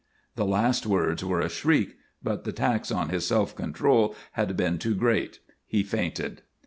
_" The last words were a shriek; but the tax on his self control had been too great. He fainted.